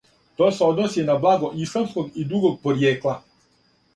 То се односи и на благо исламског и другог поријекла.